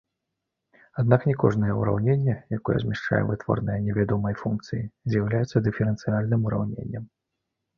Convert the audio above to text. Аднак не кожнае ўраўненне, якое змяшчае вытворныя невядомай функцыі, з'яўляецца дыферэнцыяльным ураўненнем.